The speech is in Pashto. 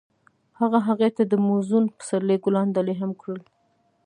هغه هغې ته د موزون پسرلی ګلان ډالۍ هم کړل.